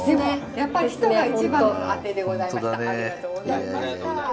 やっぱり人が一番のあてでございました。